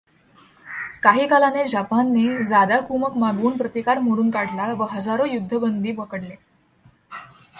काही कालाने जपानने जादा कुमक मागवुन प्रतिकार मोडुन काढला व हजारो युद्धबंदी पकडले.